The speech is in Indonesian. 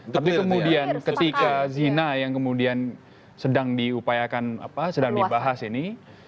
tapi kemudian ketika zina yang kemudian sedang diupayakan apa sedang dibahas ini